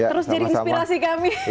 terus jadi inspirasi kami